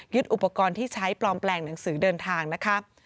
อุปกรณ์ที่ใช้ปลอมแปลงหนังสือเดินทางนะคะ